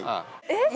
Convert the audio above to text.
えっ。